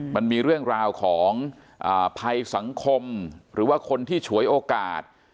มันมีเรื่องราวของภัยสังคมหรือว่าคนที่ฉวยโอกาส